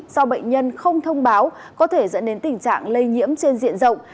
do bệnh nhân không thông báo có thể dẫn đến tình trạng lây nhiễm trên diện rộng